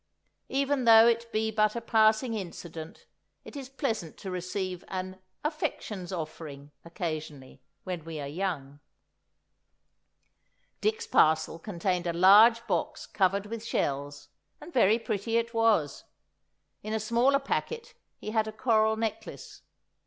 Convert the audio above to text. Even though it be but a passing incident, it is pleasant to receive an "affection's offering" occasionally, when we are young. Dick's parcel contained a large box covered with shells, and very pretty it was. In a smaller packet he had a coral necklace.